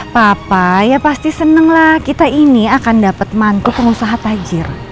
papa ya pasti senang lah kita ini akan dapat mantu pengusaha tajir